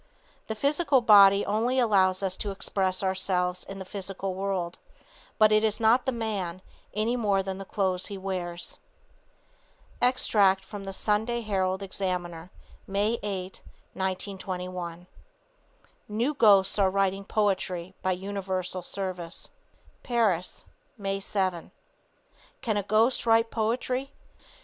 The physical body only allows us to express ourselves in the physical world, but it is not the man, any more than the clothes he wears. Extract from the Sunday Herald Examiner, May 8, 1921: NEW GHOSTS ARE WRITING POETRY BY UNIVERSAL SERVICE. Paris, May 7. Can a ghost write poetry?